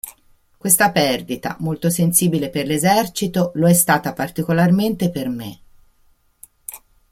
Questa perdita molto sensibile per l'esercito, lo è stata particolarmente per me.